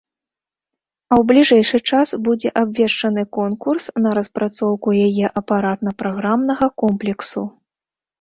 А ў бліжэйшы час будзе абвешчаны конкурс на распрацоўку яе апаратна-праграмнага комплексу.